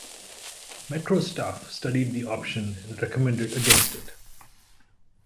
Metro staff studied the option and recommended against it.